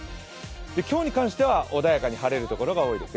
今日に関しては穏やかに晴れる所が多いですよ。